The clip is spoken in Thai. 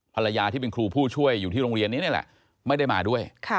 ภรรยาที่เป็นครูผู้ช่วยอยู่ที่โรงเรียนนี้นี่แหละไม่ได้มาด้วย